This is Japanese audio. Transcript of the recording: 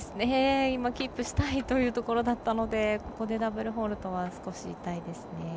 今、キープしたいというところだったのでここでダブルフォールトは少し痛いですね。